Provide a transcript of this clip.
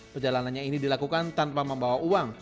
perjalanannya ini dilakukan tanpa membawa uang